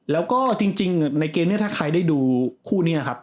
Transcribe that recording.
แล้วก็จริงในเกมนี้ถ้าใครได้ดูคู่นี้ครับ